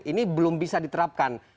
ini belum bisa diterapkan